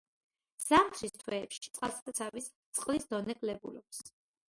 ზამთრის თვეებში წყალსაცავის წყლის დონე კლებულობს.